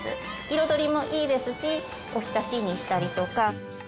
彩りもいいですしおひたしにしたりとか。